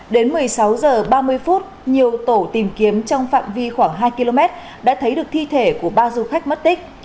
đến một mươi sáu h ba mươi nhiều tổ tìm kiếm trong phạm vi khoảng hai km đã thấy được thi thể của ba du khách mất tích